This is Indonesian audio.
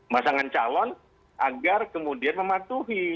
pasangan calon agar kemudian mematuhi